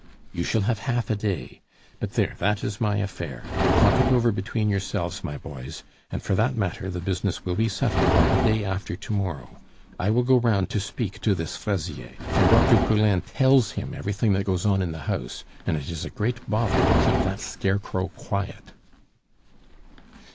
"You shall have half a day. But, there, that is my affair. Talk it over between yourselves, my boys, and for that matter the business will be settled by the day after to morrow. I will go round to speak to this Fraisier; for Dr. Poulain tells him everything that goes on in the house, and it is a great bother to keep that scarecrow quiet."